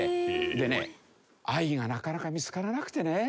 でねＩがなかなか見つからなくてね。